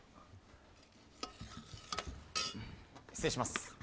失礼します。